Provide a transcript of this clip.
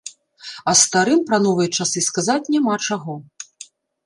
А старым пра новыя часы сказаць няма чаго.